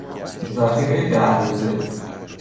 ذخیرهی ده روزه